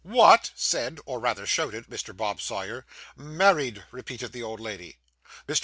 What!' said, or rather shouted, Mr. Bob Sawyer. 'Married,' repeated the old lady. Mr.